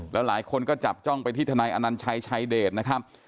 แล้วหลายคนก็จับจ้องไปที่ทนายอนัญชัยชายเดชนะครับ